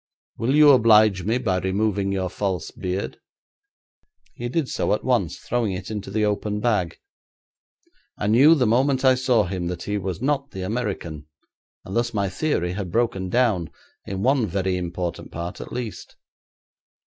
'Will you oblige me by removing your false beard?' He did so at once, throwing it into the open bag. I knew the moment I saw him that he was not the American, and thus my theory had broken down, in one very important part at least.